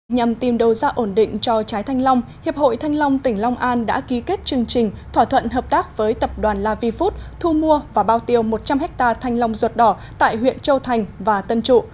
nhằm tìm đầu ra ổn định cho trái thanh long hiệp hội thanh long tỉnh long an đã ký kết chương trình thỏa thuận hợp tác với tập đoàn lavifood thu mua và bao tiêu một trăm linh hectare thanh long ruột đỏ tại huyện châu thành và tân trụ